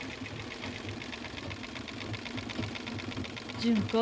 純子。